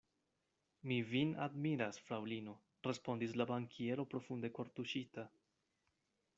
Mi vin admiras, fraŭlino, respondis la bankiero profunde kortuŝita.